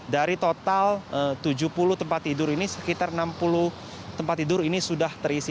dari total tujuh puluh tempat tidur ini sekitar enam puluh tempat tidur ini sudah terisi